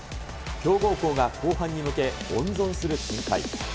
強豪校が後半に向け温存する展開。